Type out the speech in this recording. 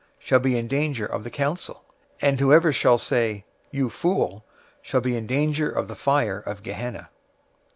shall be in danger of the council; and whoever shall say, 'You fool!' shall be in danger of the fire of Gehenna.